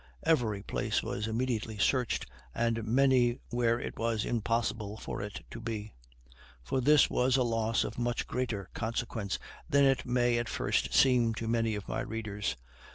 Every place was immediately searched, and many where it was impossible for it to be; for this was a loss of much greater consequence than it may at first seem to many of my readers.